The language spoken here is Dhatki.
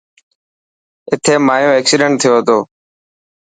اٿي مايو ايڪسيڊنٽ ٿيو تو.